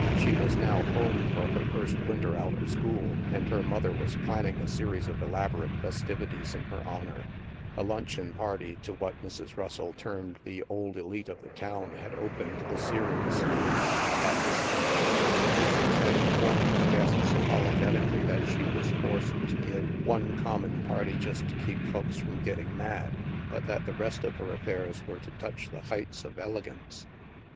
She was now home for her first winter out of school, and her mother was planning a series of elaborate festivities in her honor. A luncheon party to what Mrs. Russell STILL WATERS 17 termed the " older elite of the town " had opened the series. At this function, the hostess had in formed her guests apologetically that she was forced to give " one common party just to keep folks from getting mad," but that the rest of her affairs were to touch the heights of elegance.